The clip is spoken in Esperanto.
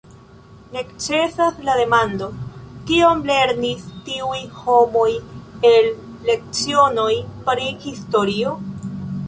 Necesas la demando: Kion lernis tiuj homoj el lecionoj pri historio?